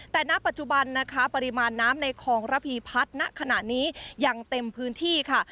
แต่ณปัจจุบันนะคะปริมาณน้ำในคลองระพีพัฒน์ณขณะนี้ยังเต็มพื้นที่ค่ะ